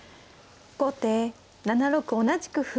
後手７六同じく歩。